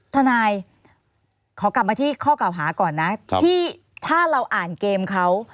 ทนายขอกลับมาที่ข้อเก่าหาก่อนนะที่ถ้าเราอ่านเกมเขา